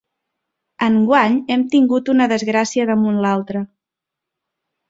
Enguany hem tingut una desgràcia damunt l'altra.